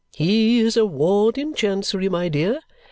He is a ward in Chancery, my dear.